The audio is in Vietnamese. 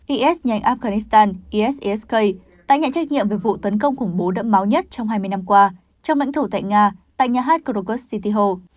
is nhanh afghanistan đã nhận trách nhiệm về vụ tấn công khủng bố đẫm máu nhất trong hai mươi năm qua trong lãnh thổ tại nga tại nhà hát krakow city hall